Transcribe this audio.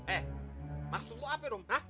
eh maksud lu apa ya rum